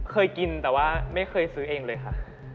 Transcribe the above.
เคยกินแต่ว่าไม่เคยซื้อเองเลยค่ะ